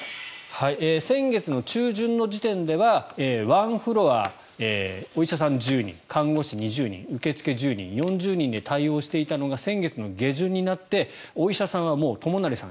先月中旬の時点では１フロア、お医者さん１０人看護師２０人、受付１０人４０人で対応していたのが先月の下旬になってお医者さんはもう友成さん